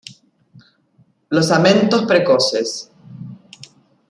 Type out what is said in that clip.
Los amentos precoces.